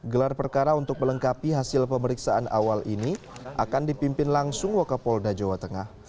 gelar perkara untuk melengkapi hasil pemeriksaan awal ini akan dipimpin langsung wakapolda jawa tengah